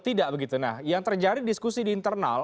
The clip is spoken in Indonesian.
tidak begitu nah yang terjadi diskusi di internal